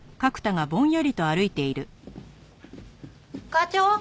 課長！